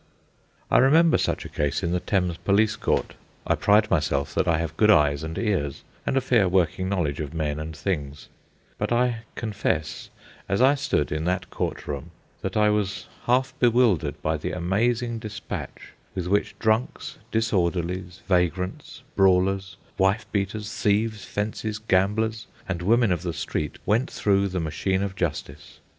I remember such a case in the Thames Police Court. I pride myself that I have good eyes and ears, and a fair working knowledge of men and things; but I confess, as I stood in that court room, that I was half bewildered by the amazing despatch with which drunks, disorderlies, vagrants, brawlers, wife beaters, thieves, fences, gamblers, and women of the street went through the machine of justice.